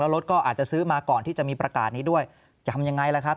รถก็อาจจะซื้อมาก่อนที่จะมีประกาศนี้ด้วยทำยังไงล่ะครับ